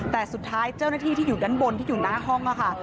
แต่สุดท้ายเจ้าหน้าที่ที่อยู่ด้านบนที่อยู่หน้าห้องค่ะ